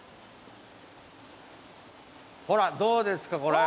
ほらどうですかこれ。